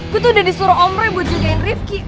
gue tuh udah disuruh om rey buat jagain rifki